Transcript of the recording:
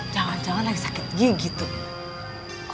jangan jangan lagi sakit gigi gitu